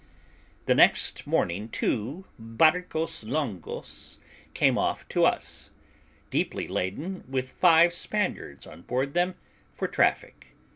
The next morning two barcos longos came off to us, deeply laden, with five Spaniards on board them, for traffic.